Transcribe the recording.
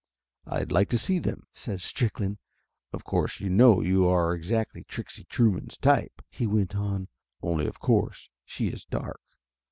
"I'd like to see them," says Strickland. "Of course you know you are exactly Trixie Trueman's type," he went on. "Only of course she is dark.